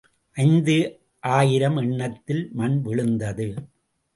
ஐந்து ஆயிரம் எண்ணத்தில் மண் விழுந்தது.